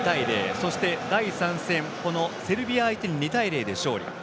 そして、セルビア相手に２対０で勝利。